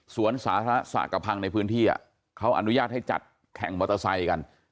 สาธารณะสระกระพังในพื้นที่เขาอนุญาตให้จัดแข่งมอเตอร์ไซค์กัน